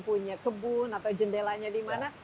punya kebun atau jendelanya di mana